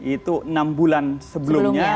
itu enam bulan sebelumnya